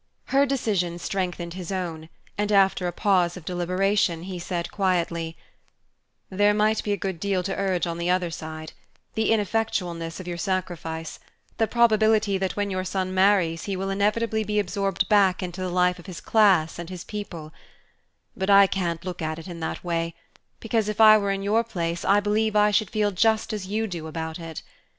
Her decision strengthened his own, and after a pause of deliberation he said quietly: "There might be a good deal to urge on the other side the ineffectualness of your sacrifice, the probability that when your son marries he will inevitably be absorbed back into the life of his class and his people; but I can't look at it in that way, because if I were in your place I believe I should feel just as you do about it.